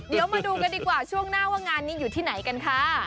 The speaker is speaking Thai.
เดี๋ยวมาดูกันดีกว่าช่วงหน้าว่างานนี้อยู่ที่ไหนกันค่ะ